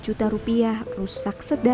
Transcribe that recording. untuk rumah rusak berat